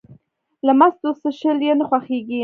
له مستو څښل یې نه خوښېږي.